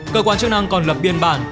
cơ quan chức năng còn lập biên bản